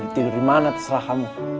tidur dimana terserah kamu